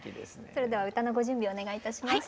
それでは歌のご準備お願いいたします。